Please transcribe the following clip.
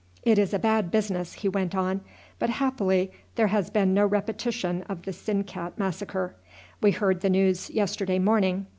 "It is a bad business," he went on; "but happily there has been no repetition of the Sinkat massacre. We heard the news yesterday morning.